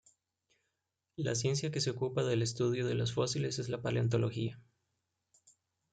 La ciencia que se ocupa del estudio de los fósiles es la paleontología.